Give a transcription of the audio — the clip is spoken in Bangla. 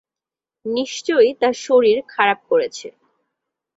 নিশ্চয়ই তাঁর শরীর খারাপ করেছে।